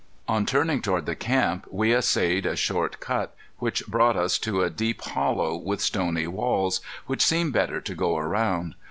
On turning toward the camp we essayed a short cut, which brought us to a deep hollow with stony walls, which seemed better to go around.